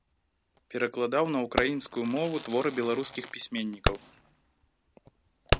Перакладаў на ўкраінскую мову творы беларускіх пісьменнікаў.